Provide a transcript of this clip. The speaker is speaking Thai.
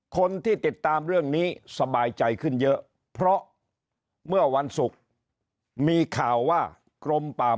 คนที่ติดตามเรื่องนี้สบายใจขึ้นเยอะเพราะเมื่อวันศุกร์